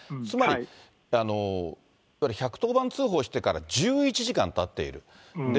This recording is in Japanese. つまり１１０番通報してから１１時間たっている。